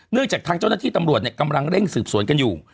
จากทางเจ้าหน้าที่ตำรวจกำลังเร่งสืบสวนกันอยู่